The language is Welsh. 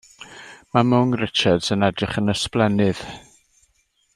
Ma' mwng Richards yn edrach yn ysblennydd.